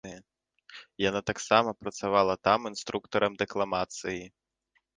Яна таксама працавала там інструктарам дэкламацыі.